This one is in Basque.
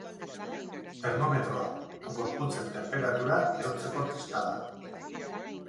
Termometroa: Gorputzen tenperatura neurtzeko tresna da.